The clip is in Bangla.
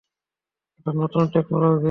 এটা নতুন টেকনোলজি।